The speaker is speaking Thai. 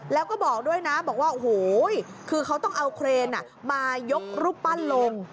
แล้วก็บอกด้วยนะบอกว่าโอ้โหคือเขาต้องเอาเครนมายกรูปปั้นลง